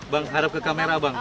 bang hadap ke kamera bang